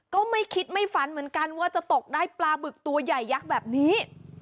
ก็ไม่คิดไม่ฝันเหมือนกันว่าจะตกได้ปลาบึกตัวใหญ่ยักษ์แบบนี้